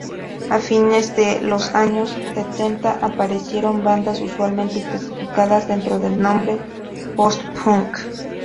A fines de los años setenta aparecieron bandas usualmente clasificadas dentro del nombre post-punk.